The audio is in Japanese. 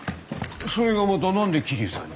それがまた何で桐生さんに？